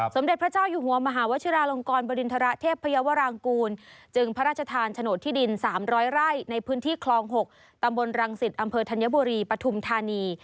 สมเด็จพระเจ้าอยู่หัวมหาวชิราลงกรบริณฑระเทพยาวรางกูลจึงพระราชทานโฉนดที่ดิน๓๐๐ไร่ในพื้นที่คลอง๖ตำบลรังสิตอำเภอธัญบุรีปฐุมธานี